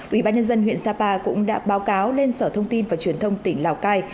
ubnd huyện sapa cũng đã báo cáo lên sở thông tin và truyền thông tỉnh lào cai